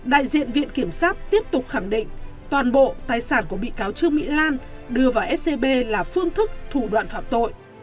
đại diện viện kiểm sát tiếp tục khẳng định toàn bộ tài sản của bị cáo trương mỹ lan đưa vào scb là phương thức thủ đoạn phạm tội